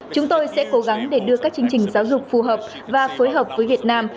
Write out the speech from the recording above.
chúng tôi sẽ cố gắng để đưa các chương trình giáo dục phù hợp và phối hợp với việt nam